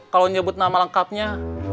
kalau nyebut nama lengkapnya